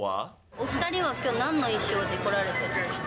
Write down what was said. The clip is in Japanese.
お２人はきょう、なんの衣装で来られてるんですか？